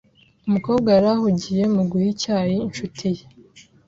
Umukobwa yari ahugiye mu guha icyayi inshuti ye.